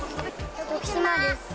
徳島です。